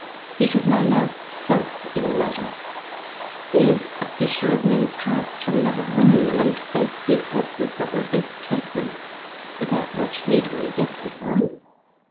He should know no self in the matter. He is a fisher of men's hearts from love of winning them, and baits his hook with what will best take them without much heed where he gets it from.